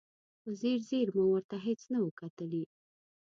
په ځیر ځیر مو ورته هېڅ نه و کتلي.